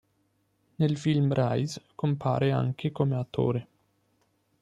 Nel film Raiz compare anche come attore.